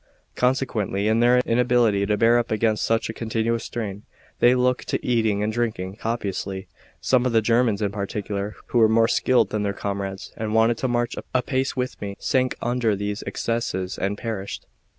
Consequently, in their inability to bear up against such a continuous strain, they took to eating and drinking copiously, some of the Germans in particular, who were more skilled than their comrades, and wanted to march apace with me, sank under these excesses, and perished.